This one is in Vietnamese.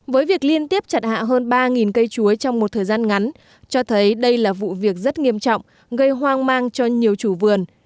với việc liên tiếp chặt hạ hơn ba cây chuối trong một thời gian ngắn cho thấy đây là vụ việc rất nghiêm trọng gây hoang mang cho nhiều chủ vườn